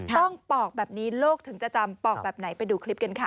ปอกแบบนี้โลกถึงจะจำปอกแบบไหนไปดูคลิปกันค่ะ